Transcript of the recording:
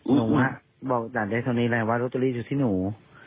หนูว่าบอกอาจารย์ได้เท่านี้เลยว่าลอตเตอรี่อยู่ที่หนู